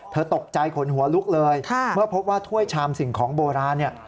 ตกใจขนหัวลุกเลยเมื่อพบว่าถ้วยชามสิ่งของโบราณเนี่ย